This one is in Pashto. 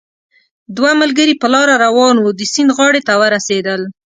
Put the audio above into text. دوه ملګري په لاره روان وو، د سیند غاړې ته ورسېدل